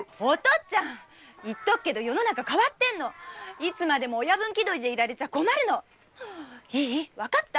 っつぁん言っとくけど世の中変わってるのいつまでも親分きどりでいられちゃ困るのわかった？